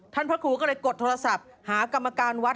พระครูก็เลยกดโทรศัพท์หากรรมการวัด